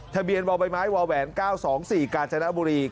ทะเบียนวาวแบบไม้วาวแหวน๙๒๔กาจนะบุรี